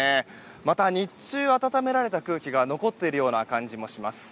また日中、暖められた空気が残っているような感じもします。